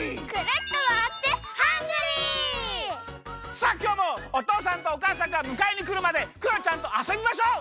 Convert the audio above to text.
さあきょうもおとうさんとおかあさんがむかえにくるまでクヨちゃんとあそびましょう！